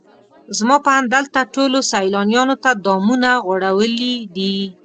زما په اند دلته ټولو سیلانیانو ته دامونه غوړولي دي.